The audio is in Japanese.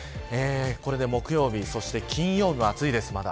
木曜日そして金曜日も暑いです、まだ。